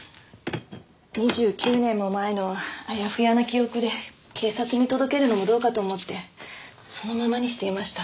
２９年も前のあやふやな記憶で警察に届けるのもどうかと思ってそのままにしていました。